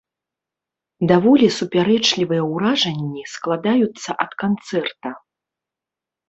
Даволі супярэчлівыя ўражанні складаюцца ад канцэрта.